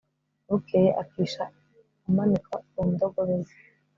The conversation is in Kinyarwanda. bukeye, akisha amanuka ku ndogobe ye